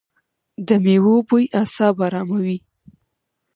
د میوو بوی اعصاب اراموي.